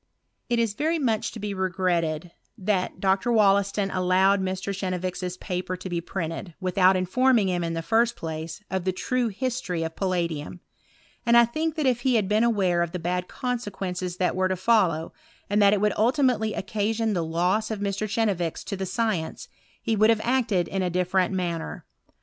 It is very much to be regretted, that Dr. Wollaston allowed Mr. Chenevix's paper to be printed, without informing him, ia the first place, of the true history of palladium : and I think that if he had been aware of the had consequences that were to follow, and that it would ultimately occasion the loss of Mr. Chenevix to the science, he would have acted in a different manner.